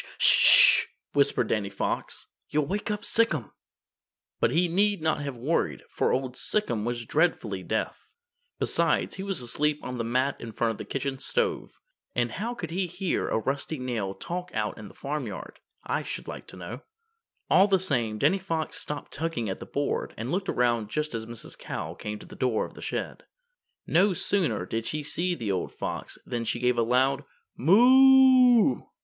"S s s sh!" whispered Danny Fox, "you'll wake up Sic'em." But he need not have worried, for old Sic'em was dreadfully deaf. Besides, he was asleep on the mat in front of the kitchen stove, and how could he hear a rusty nail talk out in the farmyard, I should like to know. All the same, Danny Fox stopped tugging at the board and looked around just as Mrs. Cow came to the door of the shed. No sooner did she see the old fox than she gave a loud "MOO!"